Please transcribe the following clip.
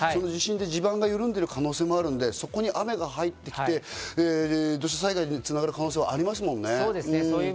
地盤が緩んでいる可能性もあるので、そこに雨が入ってきて、土砂災害に繋がる可能性はありますもんね。